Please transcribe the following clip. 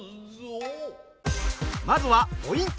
まずはポイント